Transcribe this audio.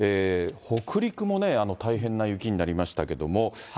北陸もね、大変な雪になりましたけども。